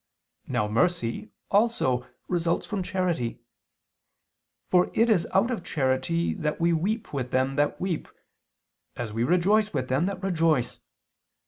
Now mercy, also, results from charity; for it is out of charity that we weep with them that weep, as we rejoice with them that rejoice.